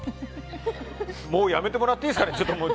もうやめてもらっていいですかね。